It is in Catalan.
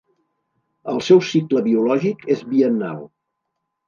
El seu cicle biològic és biennal.